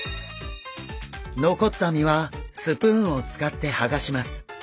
残った身はスプーンを使ってはがします。